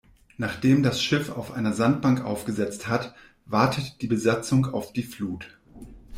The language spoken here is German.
Nachdem das Schiff auf einer Sandbank aufgesetzt hat, wartet die Besatzung auf die Flut.